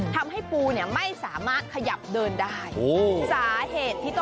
ทำให้ปูไม่สามารถขยับเดินได้